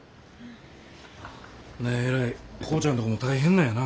何やえらい浩ちゃんとこも大変なんやな。